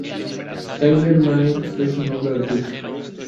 Tyler Mane es su nombre artístico.